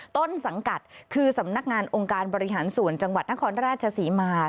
ต้นสังกัดคือสำนักงานองค์การบริหารส่วนจังหวัดนครราชศรีมา